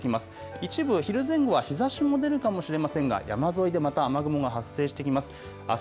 一部、昼前後は日ざしも出るかもしれませんが山沿いでまた雨雲が発生してきます。